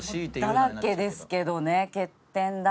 「だらけ」ですけどね欠点だらけ。